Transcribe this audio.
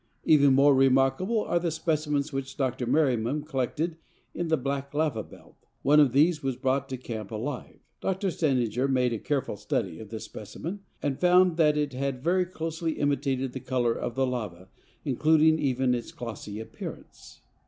Even more remarkable are the specimens which Dr. Merriam collected in the black lava belt. One of these was brought to camp alive." Dr. Stejneger made a careful study of this specimen and found that it had very closely imitated the color of the lava, including even its glossy appearance.